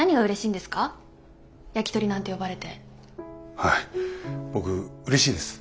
はい僕うれしいです。